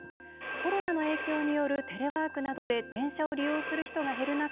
コロナの影響によるテレワークなどで電車を利用する人が減る中